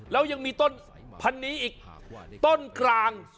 แล้วยังมีต้นพันนี้อีกต้นกลาง